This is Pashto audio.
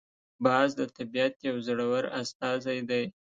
باز د طبیعت یو زړور استازی دی